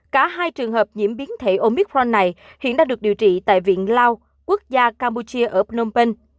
cả hai trường hợp nhiễm biến thể omicron này hiện đang được điều trị tại viện lao quốc gia campuchia ở phnom penh